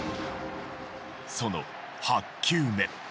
その８球目。